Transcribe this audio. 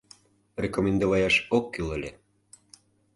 — Рекомендоваяш ок кӱл ыле.